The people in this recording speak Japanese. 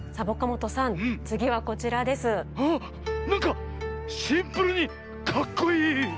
あっなんかシンプルにかっこいい。